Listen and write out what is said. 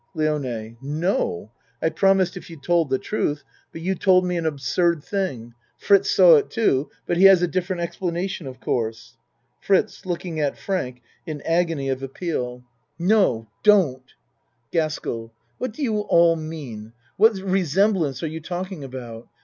LIONE No! I promised if you told the truth but you told me an absurd thing. Fritz saw it too, but he has a different explanation, of course. FRITZ (Looking at Frank in agony of appeal.) 76 A MAN'S WORLD No! Don't GASKELL What do you all mean ? What resem blance are you talking about?